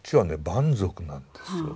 蛮族なんですよ。